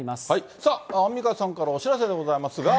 さあ、アンミカさんからお知らせでございますが。